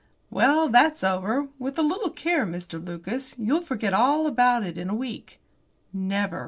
"Well, that's over. With a little care, Mr. Lucas, you'll forget all about it in a week." Never!